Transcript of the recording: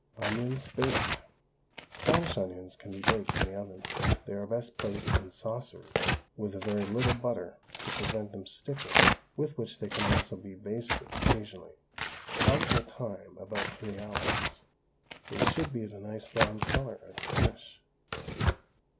ONIONS, BAKED. Spanish onions can be baked in the oven. They are best placed in saucers, with a very little butter to prevent them sticking, with which they can also be basted occasionally. Probable time about three hours. They should be of a nice brown colour at the finish.